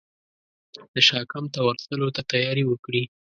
د شاه کمپ ته ورتللو ته تیاري وکړي.